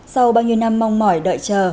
sau bao nhiêu năm mong mỏi đợi chờ